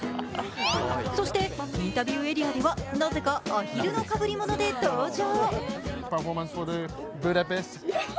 そして、インタビューエリアではなぜか、アヒルのかぶり物で登場。